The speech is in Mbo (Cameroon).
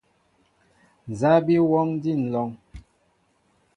Nza bi wɔɔŋ, din lɔŋ ?